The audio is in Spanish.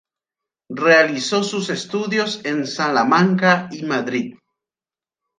Realizó sus estudios en Salamanca y Madrid.